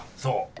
そう！